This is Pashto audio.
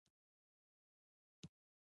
د صنعتي پارکونو وضعیت څنګه دی؟